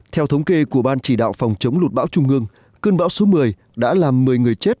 theo thống kê của ban chỉ đạo phòng chống lụt bão trung ương cơn bão số một mươi đã làm một mươi người chết